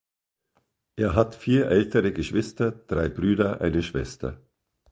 Er hat vier ältere Geschwister, drei Brüder, eine Schwester.